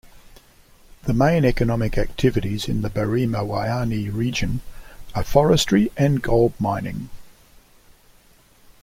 The main economic activities in the Barima-Waini region are forestry and gold mining.